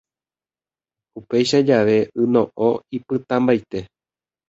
Upéicha jave yno'õ ipytãmbaite.